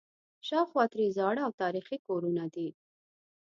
شاوخوا ترې زاړه او تاریخي کورونه دي.